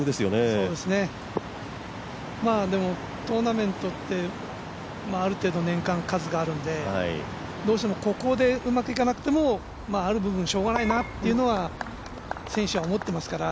そうですね、でも、トーナメントってある程度年間、数があるのでどうしてもここでうまくいかなくてもある部分しょうがないなということは選手は思ってますから。